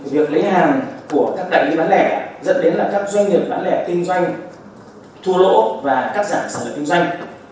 việc lấy hàng của các đại lý bán lẻ dẫn đến các doanh nghiệp bán lẻ kinh doanh thu lỗ và các giảm xăng lẻ kinh doanh